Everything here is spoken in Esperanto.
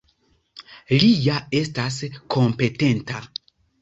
Li ja estas kompetenta!